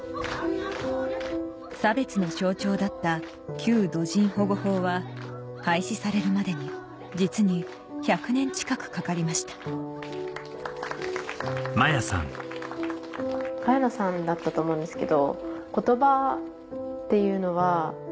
差別の象徴だった「旧土人保護法」は廃止されるまでに実に１００年近くかかりました萱野さんだったと思うんですけど。